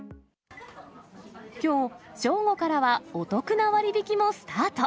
きょう正午からはお得な割引もスタート。